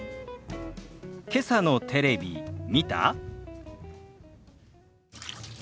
「けさのテレビ見た？」。